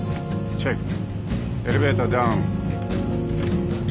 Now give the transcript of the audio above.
チェック。